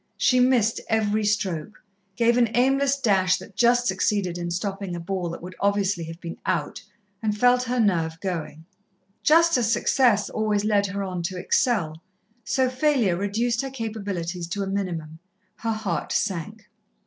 She missed every stroke, gave an aimless dash that just succeeded in stopping a ball that would obviously have been "out," and felt her nerve going. Just as success always led her on to excel, so failure reduced her capabilities to a minimum. Her heart sank.